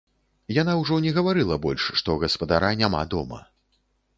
Яна ўжо не гаварыла больш, што гаспадара няма дома.